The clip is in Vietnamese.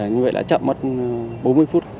như vậy là chậm mất bốn mươi phút